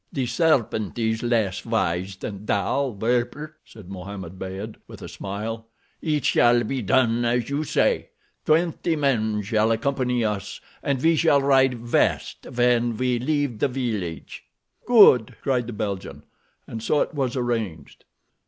"The serpent is less wise than thou, Werper," said Mohammed Beyd with a smile. "It shall be done as you say. Twenty men shall accompany us, and we shall ride west—when we leave the village." "Good," cried the Belgian, and so it was arranged.